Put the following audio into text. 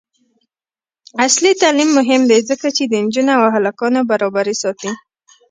عصري تعلیم مهم دی ځکه چې د نجونو او هلکانو برابري ساتي.